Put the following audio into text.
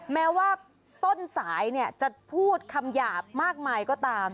แม้ว่าต้นสายจะพูดคำหยาบมากมายก็ตาม